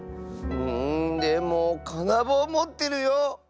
うんでもかなぼうもってるよ。